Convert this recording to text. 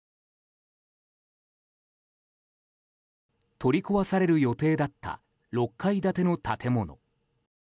取り壊される予定だった６階建ての建物。